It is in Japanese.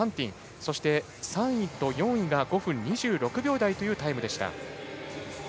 そして３位と４位が５分２６秒台というタイムでした。